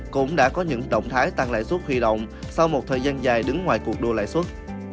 cũng đã có những động thái tăng lãi suất huy động sau một thời gian dài đứng ngoài cuộc đua lãi suất